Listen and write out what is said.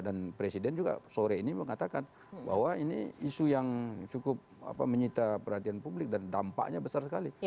dan presiden juga sore ini mengatakan bahwa ini isu yang cukup menyita perhatian publik dan dampaknya besar sekali